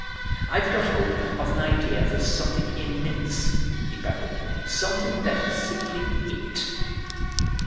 "I've got hold of an idea for something immense," he babbled, "something that is simply It."